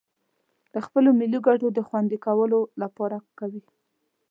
د خپلو ملي گټو د خوندي کولو لپاره کوي